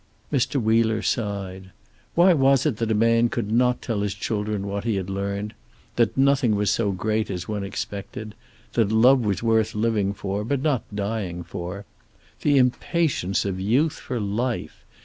Mr. Wheeler sighed. Why was it that a man could not tell his children what he had learned, that nothing was so great as one expected; that love was worth living for, but not dying for. The impatience of youth for life!